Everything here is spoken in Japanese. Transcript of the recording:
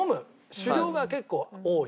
酒量が結構多い。